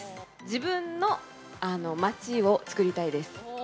自分の街を作りたいです。